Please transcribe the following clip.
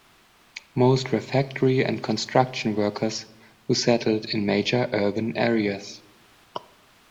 Most were factory and construction workers who settled in major urban areas.